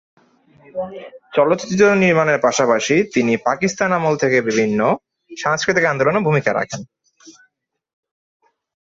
চলচ্চিত্র নির্মাণের পাশাপাশি তিনি পাকিস্তান আমল থেকে তিনি বিভিন্ন সাংস্কৃতিক আন্দোলনেও ভূমিকা রাখেন।